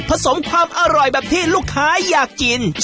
สมความอร่อยแบบที่ลูกค้าอยากกิน